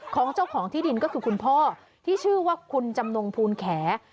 ของเจ้าของที่ดินก็คือคุณพ่อที่ชื่อว่าคุณจำนงภูลแข